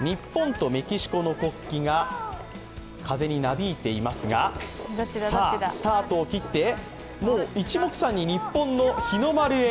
日本とメキシコの国旗が風になびいていますがさあ、スタートを切ってもういちもくさんに日本の日の丸へ。